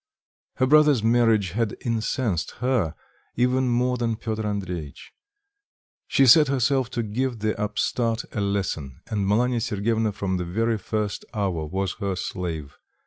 Her brother's marriage had incensed her even more than Piotr Andreitch; she set herself to give the upstart a lesson, and Malanya Sergyevna from the very first hour was her slave.